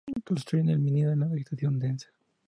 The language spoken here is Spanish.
Construyen el nido en la vegetación densa.